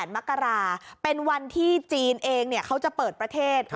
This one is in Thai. มกราเป็นวันที่จีนเองเขาจะเปิดประเทศ